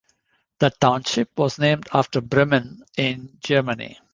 The township was named after Bremen, in Germany.